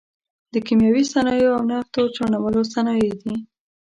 د کیمیاوي صنایعو او نفتو چاڼولو صنایع دي.